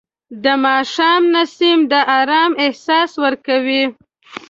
د ماښام نسیم د آرام احساس ورکوي